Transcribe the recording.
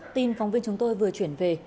tin phóng viên chúng tôi vừa chuyển về